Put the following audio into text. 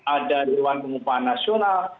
ada dewan pengumpahan nasional